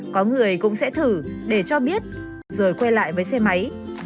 có người cũng sẽ thử để cho biết rồi quay lại với xe máy